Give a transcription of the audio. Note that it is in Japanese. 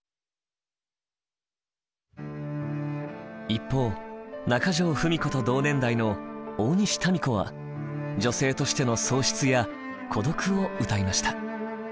一方中城ふみ子と同年代の大西民子は女性としての喪失や孤独を歌いました。